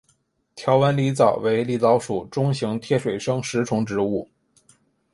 条纹狸藻为狸藻属中型贴水生食虫植物。